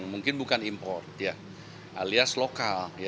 mungkin bukan impor alias lokal